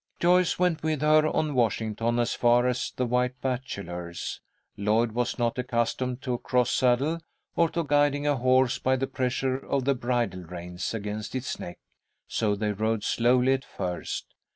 Joyce went with her on Washington as far as the White Bachelor's. Lloyd was not accustomed to a cross saddle, or to guiding a horse by the pressure of the bridle reins against its neck, so they rode slowly at first.